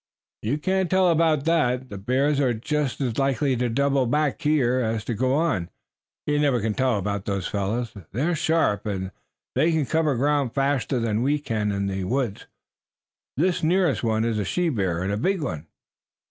"You can't tell about that. The bears are just as likely to double back here as to go on. You never can tell about those fellows. They are sharp and they can cover ground faster than we can in the woods. This nearest one is a she bear and a big one."